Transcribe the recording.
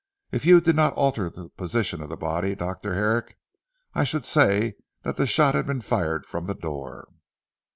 If you did not alter the position of the body Dr. Herrick, I should say that the shot had been fired from the door."